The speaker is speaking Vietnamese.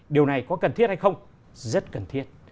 điều này có cần thiết hay không rất cần thiết